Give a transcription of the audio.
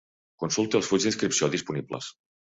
Consulti els fulls d'inscripció disponibles.